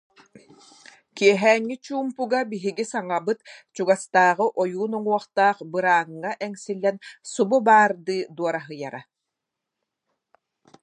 Киэһээҥҥи чуумпуга биһиги саҥабыт, чугастааҕы ойуун уҥуохтаах бырааҥҥа эҥсиллэн субу баардыы дуораһыйара